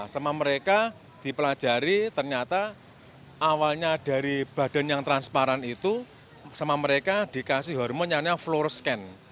sama mereka dipelajari ternyata awalnya dari badan yang transparan itu sama mereka dikasih hormon yaitu florescan